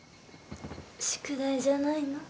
宿題じゃないの？